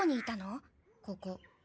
ここ。